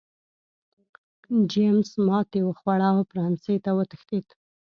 جېمز ماتې وخوړه او فرانسې ته وتښتېد.